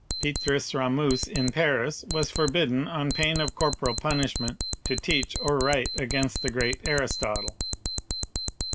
Petrus Ramus in Paris was forbidden, on pain of corporal punishment, to teach or write against the great Aristotle.